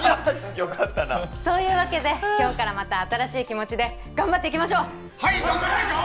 よかったなそういうわけで今日からまた新しい気持ちで頑張っていきましょうはい頑張りましょう！